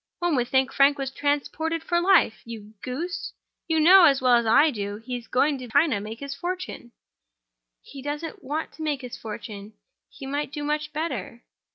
One would think Frank was transported for life. You goose! You know, as well as I do, he is going to China to make his fortune." "He doesn't want to make his fortune—he might do much better."